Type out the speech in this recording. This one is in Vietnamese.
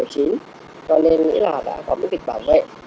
cho nên nghĩ là đã có bức tịch bảo vệ